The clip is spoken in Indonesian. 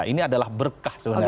ini adalah berkah sebenarnya